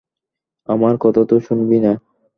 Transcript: আমার কথা তো শুনবি না?